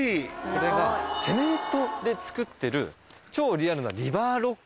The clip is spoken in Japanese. これがセメントで作ってる超リアルなリバーロックなんですね。